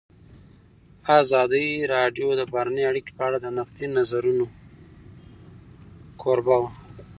ازادي راډیو د بهرنۍ اړیکې په اړه د نقدي نظرونو کوربه وه.